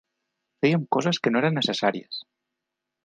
Fèiem coses que no eren necessàries.